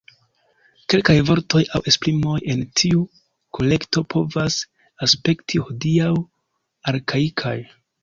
Kelkaj vortoj aŭ esprimoj en tiu kolekto povas aspekti hodiaŭ arkaikaj.